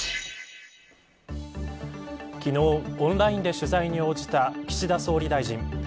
昨日オンラインで取材に応じた岸田総理大臣。